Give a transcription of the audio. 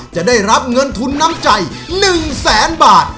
จะได้รับเงินทุนน้ำใจ๑แสนบาท